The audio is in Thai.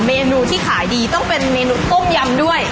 เมนูที่ขายดีต้องเป็นเมนูต้มยำด้วย